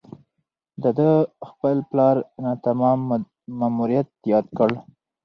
ده د خپل پلار ناتمام ماموریت یاد کړ.